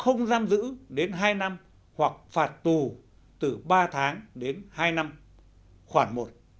không giam giữ đến hai năm hoặc phạt tù từ ba tháng đến hai năm khoảng một